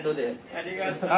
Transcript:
ありがとう。